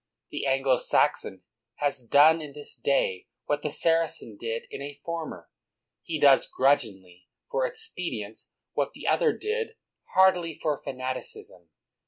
The Anglo Saxon has done in this day what the Saracen did in a former. He does grudgingly for expedience what the other did heartily from fanaticism.